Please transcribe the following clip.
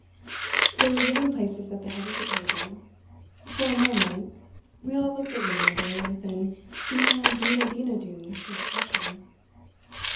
They were given places at the head of the table. For a moment we all looked at one another with an eena deena dina do expression.